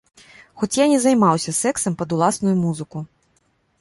Хоць я не займаўся сексам пад уласную музыку.